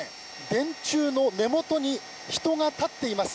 電柱の根本に人が立っています。